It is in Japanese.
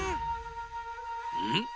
うん？